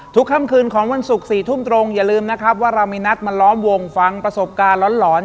ค่ำคืนของวันศุกร์๔ทุ่มตรงอย่าลืมนะครับว่าเรามีนัดมาล้อมวงฟังประสบการณ์หลอน